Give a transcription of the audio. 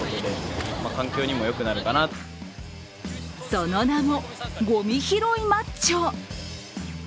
その名もゴミ拾いマッチョ。